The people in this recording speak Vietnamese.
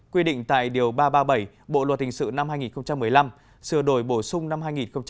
quy định tại điều ba trăm ba mươi bảy bộ luật hình sự năm hai nghìn một mươi năm sửa đổi bổ sung năm hai nghìn một mươi bảy